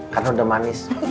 karena udah manis